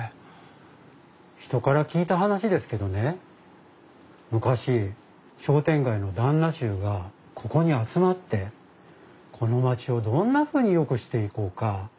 人から聞いた話ですけどね昔商店街の旦那衆がここに集まってこの街をどんなふうによくしていこうか話し合った場所らしいです。